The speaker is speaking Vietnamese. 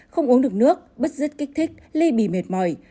không uống được nước bất giất kích thích ly bì mệt mỏi